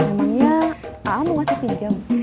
emangnya kamu ngasih pinjam